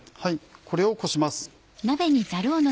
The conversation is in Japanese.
これをこします。